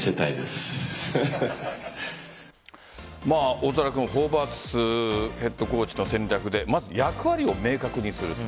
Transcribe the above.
大空君ホーバスヘッドコーチの戦略で役割を明確にする。